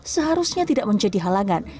seharusnya tidak menjadi halangan